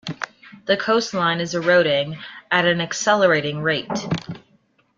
The coastline is eroding at an accelerating rate.